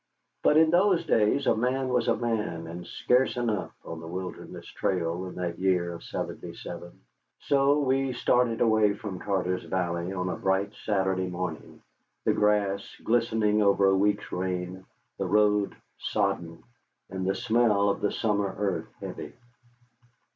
But in those days a man was a man, and scarce enough on the Wilderness Trail in that year of '77. So we started away from Carter's Valley on a bright Saturday morning, the grass glistening after a week's rain, the road sodden, and the smell of the summer earth heavy.